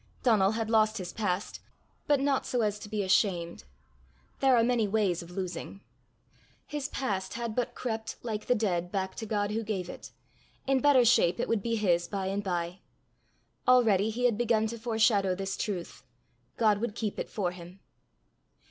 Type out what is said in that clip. Donal had lost his past but not so as to be ashamed. There are many ways of losing! His past had but crept, like the dead, back to God who gave it; in better shape it would be his by and by! Already he had begun to foreshadow this truth: God would keep it for him.